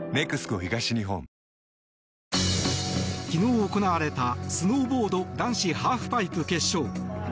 昨日行われたスノーボード男子ハーフパイプ決勝。